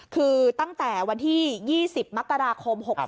คือตั้งแต่วันที่๒๐มกราคม๖๓